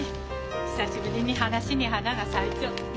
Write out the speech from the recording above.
久しぶりに話に花が咲いちゃって。